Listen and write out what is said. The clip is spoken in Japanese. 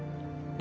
何？